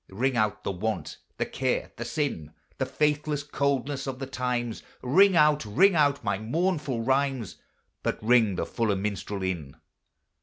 Ring out the want, the care, the sin, The faithless coldness of the times; Ring out, ring out my mournful rhymes, But ring the fuller minstrel in.